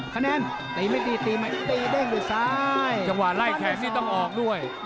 คะแนนตีไม่ตีตีไหมตีเด้งด้วยซ้ายจังหวะไล่แขนนี่ต้องออกด้วย